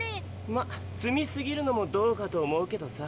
まあ積みすぎるのもどうかと思うけどさ。